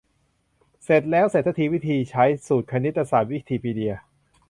เสร็จแล้ว เสร็จซะที วิธีใช้ : สูตรคณิตศาสตร์ วิกิพีเดีย